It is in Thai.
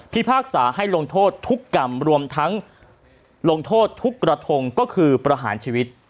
พากษาให้ลงโทษทุกกรรมรวมทั้งลงโทษทุกกระทงก็คือประหารชีวิต